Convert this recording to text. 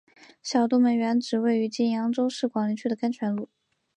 小东门原址位于今扬州市广陵区的甘泉路。